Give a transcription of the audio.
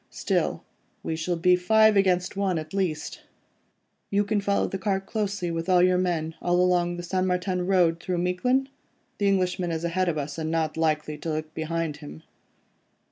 Still, we shall be five against one at least. You can follow the cart closely with your men, all along the St. Martin Road, through Miquelon. The Englishman is ahead of us, and not likely to look behind him."